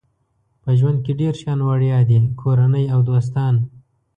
په ژوند کې ډېر شیان وړیا دي کورنۍ او دوستان.